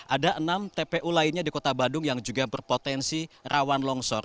ada enam tpu lainnya di kota bandung yang juga berpotensi rawan longsor